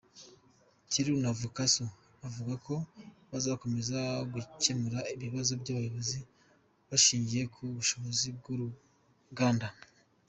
Thiru Navukkarasu avuga ko bazakomeza gukemura ibibazo by’abakozi bashingiye ku bushobozi bw’uruganda.